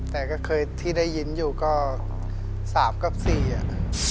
แต่ก็เคยที่ได้ยินอยู่ก็๓กับ๔อ่ะ